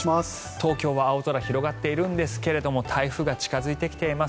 東京は青空、広がっているんですが台風が近付いてきています。